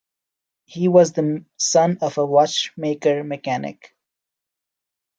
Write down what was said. He was the son of a watchmaker-mechanic.